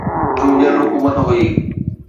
چونڊيل حڪومت هئي.